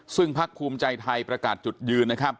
ซึ่งภักดิ์ภูมิใจไทยประกาศจุดยืน